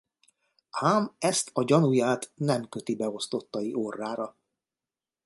Ám ezt a gyanúját nem köti beosztottai orrára.